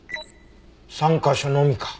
３カ所のみか。